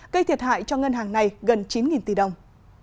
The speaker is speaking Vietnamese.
gây thiệt hại cho ngân hàng này gần chín tỷ đồng